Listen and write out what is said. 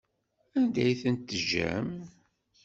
Anda ay ten-tejjam?